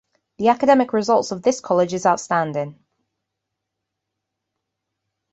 The academic results of this college is outstanding.